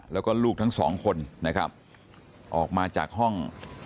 แล้วก็ลูกทั้งสองคนนะครับออกมาจากห้อง